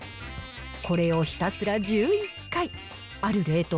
これをひたすら１１回。